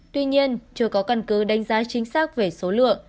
tuy nhiên chưa có căn cứ đánh giá chính xác về số lượng